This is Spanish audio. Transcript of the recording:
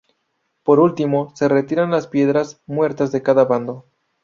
Por último, se retiran las piedras muertas de cada bando.